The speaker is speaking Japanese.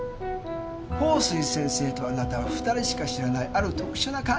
鳳水先生とあなたは２人しか知らないある特殊な関係で結ばれていた。